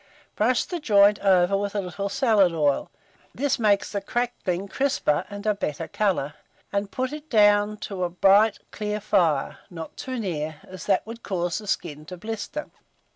Brush the joint over with a little salad oil (this makes the crackling crisper, and a better colour), and put it down to a bright, clear fire, not too near, as that would cause the skin to blister.